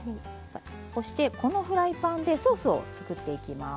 そしてこのフライパンでソースを作っていきます。